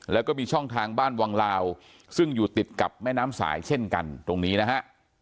แล้วก็มีช่องทางบ้านวังลาวซึ่งอยู่ติดกับแม่น้ำสายเช่นกันตรงนี้นะฮะ